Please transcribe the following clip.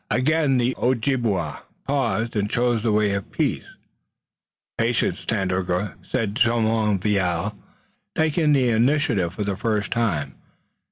Again the Ojibway paused and chose the way of peace. "Patience, Tandakora," said Jumonville, taking the initiative for the first time.